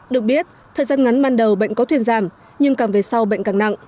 được biết thời gian ngắn ban đầu bệnh có thuyền giảm nhưng càng về sau bệnh càng nặng